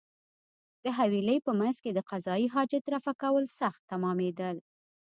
د حویلۍ په مېنځ کې د قضای حاجت رفع کول سخت تمامېدل.